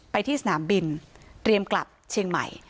ไปที่สนามบินเตรียมกลับเชียงใหม่